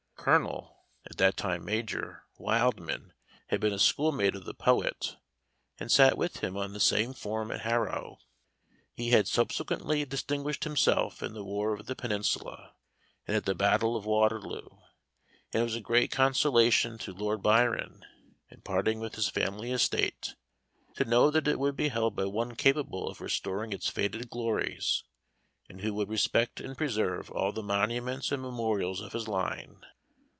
Colonel (at that time Major) Wildman had been a schoolmate of the poet, and sat with him on the same form at Harrow. He had subsequently distinguished himself in the war of the Peninsula, and at the battle of Waterloo, and it was a great consolation to Lord Byron, in parting with his family estate, to know that it would be held by one capable of restoring its faded glories, and who would respect and preserve all the monuments and memorials of his line.